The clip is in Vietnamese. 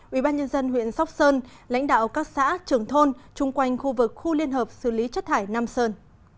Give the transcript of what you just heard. ubnd huyện sóc sơn lãnh đạo các xã trường thôn chung quanh khu vực khu liên hợp xử lý chất thải nam sơn